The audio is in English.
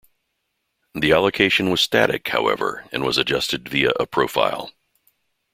The allocation was static, however, and was adjusted via a profile.